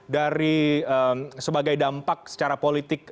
dari sebagai dampak secara politik